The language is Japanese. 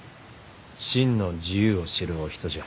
真の自由を知るお人じゃ。